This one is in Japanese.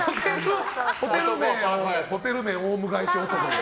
ホテル名オウム返し。